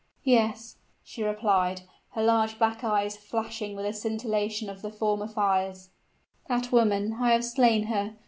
"Yes," she replied, her large black eyes flashing with a scintillation of the former fires: "that woman I have slain her!